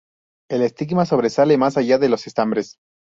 El estigma sobresale más allá de los estambres.